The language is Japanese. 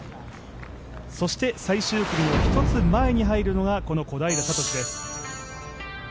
そして最終組の１つ前に入るのが小平智です。